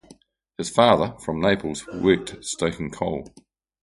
His father, from Naples, worked stoking coal.